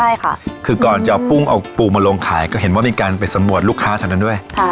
ใช่ค่ะคือก่อนจะเอาปุ้งเอาปูมาลงขายก็เห็นว่ามีการไปสำรวจลูกค้าแถวนั้นด้วย